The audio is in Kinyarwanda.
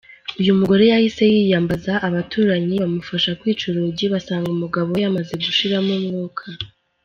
Uyu mugore yahise yiyambaza abaturanyi bamufasha kwica urugi basanga umugabo we yamaze gushiramo umwuka.